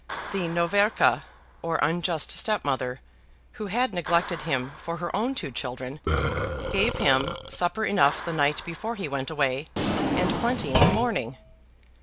The noverca, or unjust stepmother, who had neglected him for her own two children, gave him supper enough the night before he went away, and plenty in the morning.